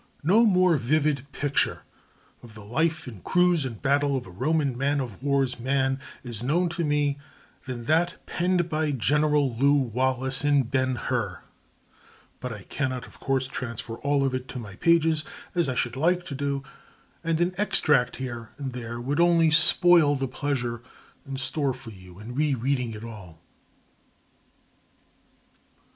No more vivid picture of the life in cruise and battle of a Roman man of war's man is known to me than that penned by General Lew Wallace in "Ben Hur," but I cannot, of course, transfer all of it to my pages, as I should like to do, and an extract here and there would only spoil the pleasure in store for you in re reading it all.